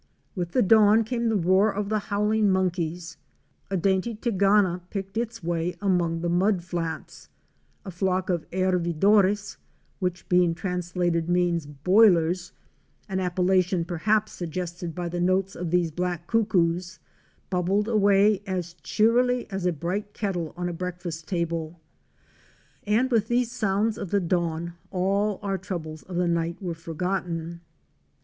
With the dawn came the roar of the howling monkeys; a dainty Tigana"™ picked its way among the mud flats; a flock of Hervidores*® — which being translated means ''boilers," an appellation perhaps suggested by the notes of these black .Cuckoos — bubbled away as cheerily as a bright kettle on a breakfast table. And with these sounds of the dawn all our troubles of the night were forgotten.